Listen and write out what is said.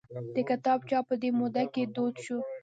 د کتاب چاپ په دې موده کې دود شو.